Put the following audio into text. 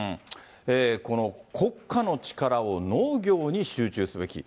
この国家の力を農業に集中すべき。